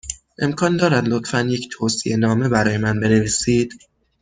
امکان دارد، لطفا، یک توصیه نامه برای من بنویسید؟